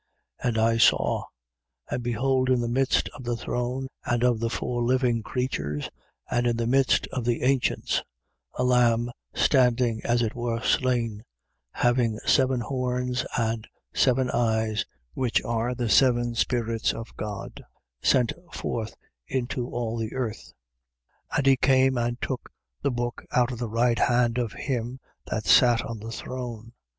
5:6. And I saw: and behold in the midst of the throne and of the four living creatures and in the midst of the ancients, a Lamb standing, as it were slain, having seven horns and seven eyes: which are the seven Spirits of God, sent forth into all the earth. 5:7. And he came and took the book out of the right hand of him that sat on the throne.